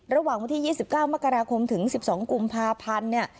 ระหว่างวันที่๒๙มกราคมถึง๑๒กลุ่มภาพันธุ์